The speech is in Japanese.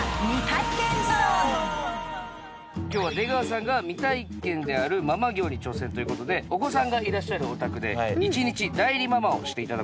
今日は出川さんが未体験であるママ業に挑戦ということでお子さんがいらっしゃるお宅で一日代理ママをしていただこうと思います。